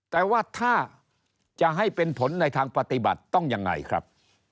แต่ว่าถ้าจะให้เป็นผลในทางปฏิบัติต้องยังไงครับ